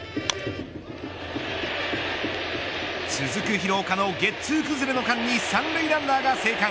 続く廣岡のゲッツ―崩れの間に３塁ランナーが生還。